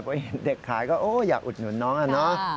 เพราะเด็กขายก็อยากอุดหนุนน้องน่ะ